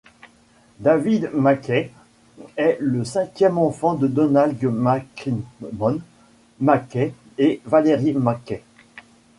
David MacKay est le cinquième enfant de Donald MacCrimmon MacKay et Valerie MacKay.